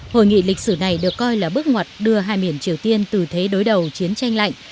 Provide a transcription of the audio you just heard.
hội nghị lịch sử này được coi là bước ngoặt đưa hai miền triều tiên từ thế đối đầu chiến tranh lạnh